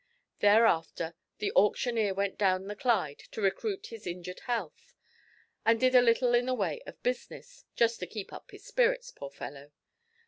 Thereafter the auctioneer went down the Clyde to recruit his injured health, and did a little in the way of business, just to keep up his spirits, poor fellow!